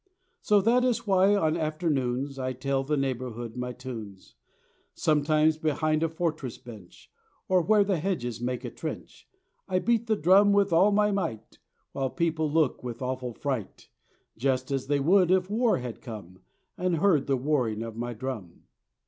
So that is why on afternoons I tell the neighborhood my tunes: Sometimes behind a fortress bench, Or where the hedges make a trench, I beat the drum with all my might, While people look with awful fright, Just as they would if war had come, And heard the warning of my drum.